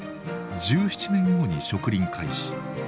１７年後に植林開始。